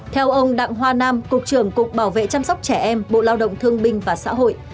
theo ông đặng hoa nam cục trưởng cục bảo vệ chăm sóc trẻ em bộ lao động thương binh và xã hội